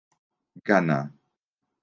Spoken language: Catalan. Ghana.